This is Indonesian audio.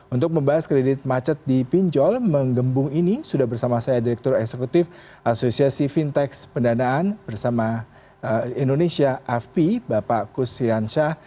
untuk membahas kredit macet di pinjol menggembung ini sudah bersama saya direktur eksekutif asosiasi fintech pendanaan bersama indonesia fp bapak kus siansyah